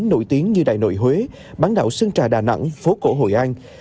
thủ tiến như đại nội huế bán đảo sơn trà đà nẵng phố cổ hội an